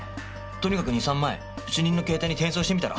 とにかく２３枚主任の携帯に転送してみたら？